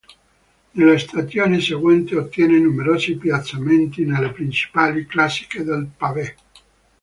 Nella stagione seguente ottiene numerosi piazzamenti nelle principali classiche del pavé.